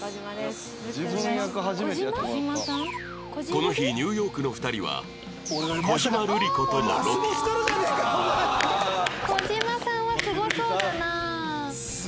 この日ニューヨークの２人は小島瑠璃子とのロケ小島さんはすごそうだな。